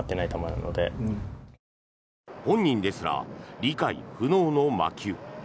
本人ですら理解不能の魔球。